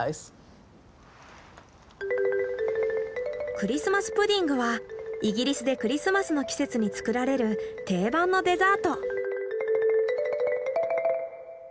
クリスマス・プディングはイギリスでクリスマスの季節に作られる定番のデザート。